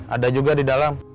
ada juga di dalam